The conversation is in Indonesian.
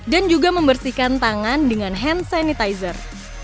dan juga membersihkan tangan dengan hand sanitizer